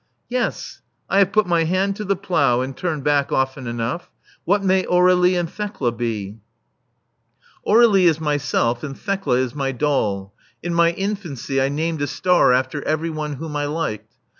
Yes, I have put my hand to the plough and turned back often enough. What may Aur61ie and Thekla be?'' *'Aur61ie is myself ; and Thekla is my doll. In my infancy I named a star after every one whom I liked.